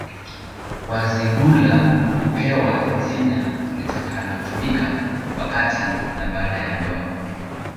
Wazigula hupewa jina litakalotumika wakati na baada ya ndoa